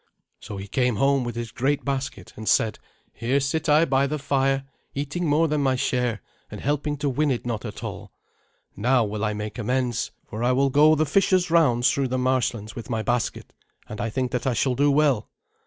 So he came home with his great basket, and said, "Here sit I by the fire, eating more than my share, and helping to win it not at all. Now will I make amends, for I will go the fisher's rounds through the marshlands with my basket, and I think that I shall do well."